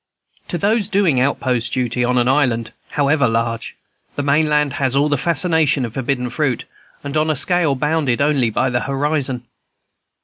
To those doing outpost duty on an island, however large, the main land has all the fascination of forbidden fruit, and on a scale bounded only by the horizon.